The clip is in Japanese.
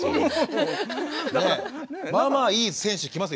まあまあいい選手来ますよ